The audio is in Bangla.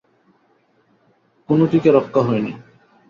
কোনো দিক রক্ষা হয় নি।